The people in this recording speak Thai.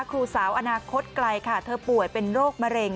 ครูสาวอนาคตไกลค่ะเธอป่วยเป็นโรคมะเร็ง